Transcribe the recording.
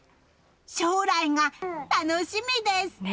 将来が楽しみです！